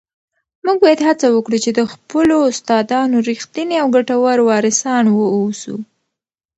موږ باید هڅه وکړو چي د خپلو استادانو رښتیني او ګټور وارثان واوسو.